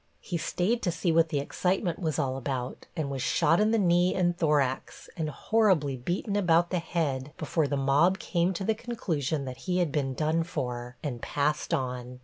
He stayed to see what the excitement was all about, and was shot in the knee and thorax and horribly beaten about the head before the mob came to the conclusion that he had been done for, and passed on.